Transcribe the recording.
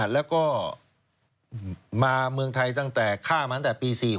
แล้วก็มาเมืองไทยตั้งแต่ฆ่ามาตั้งแต่ปี๔๖